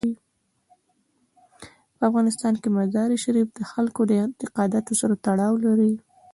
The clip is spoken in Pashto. په افغانستان کې مزارشریف د خلکو د اعتقاداتو سره تړاو لري.